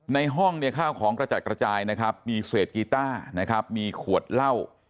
ในห้องเนี่ยข้าวของกระจัดกระจายนะครับมีเศษกีต้านะครับมีขวดเหล้า